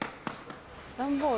段ボール？